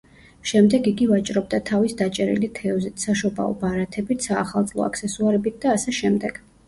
შემდეგ იგი ვაჭრობდა თავის დაჭერილი თევზით, საშობაო ბარათებით, საახალწლო აქსესუარებით და ასე შემდეგ.